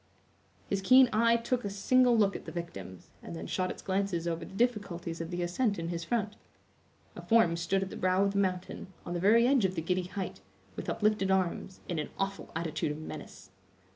His keen eye took a single look at the victims, and then shot its glances over the difficulties of the ascent in his front. A form stood at the brow of the mountain, on the very edge of the giddy height, with uplifted arms, in an awful attitude of menace.